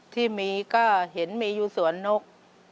ที่มีก็เห็นมีอยู่สวนนก